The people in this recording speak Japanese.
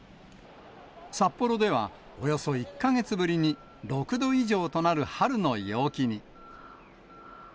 札幌ではおよそ１か月ぶりに、６度以上となる春の陽気に。